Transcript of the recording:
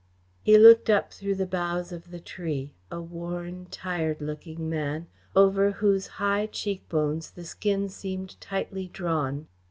He looked up through the boughs of the tree; a worn, tired looking man, over whose high cheek bones the skin seemed tightly drawn.